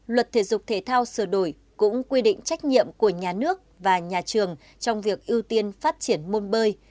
luật thể dục thể thao sửa đổi cũng quy định trách nhiệm của nhà nước và nhà trường trong việc ưu tiên phát triển môn bơi